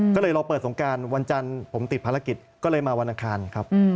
ก็เลยเราเปิดสงการวันจันทร์ผมติดภารกิจก็เลยมาวันอังคารครับ